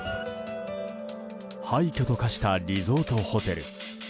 廃墟と化したリゾートホテル。